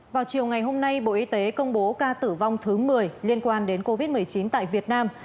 vào chiều ngày hôm nay bộ y tế công bố ca tử vong thứ một mươi liên quan đến covid một mươi chín tại việt nam